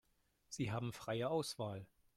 Sie haben freie Auswahl.